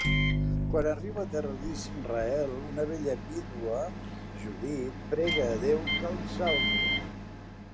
Quan arriba a terres d'Israel, una bella vídua, Judit, prega a Déu que els salvi.